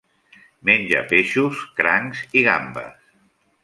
Menja peixos, crancs i gambes.